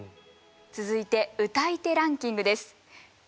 続いて歌い手ランキングです。